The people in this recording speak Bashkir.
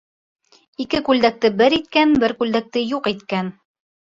Ике күлдәкте бер иткән, бер күлдәкте юҡ иткән.